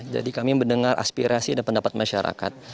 jadi kami mendengar aspirasi dan pendapat masyarakat